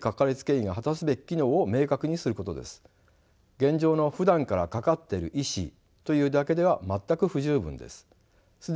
現状のふだんからかかっている医師というだけでは全く不十分です。